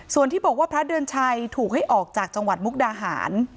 ส่วนที่บอกว่าพระเดือนชัยถูกให้ออกจากจังหวัดมุกดาหาร